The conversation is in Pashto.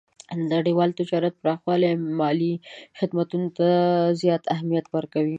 د نړیوال تجارت پراخوالی مالي خدمتونو ته زیات اهمیت ورکړی دی.